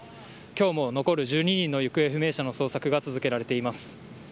今日も残る１２人の行方不明者の捜索が続けられています。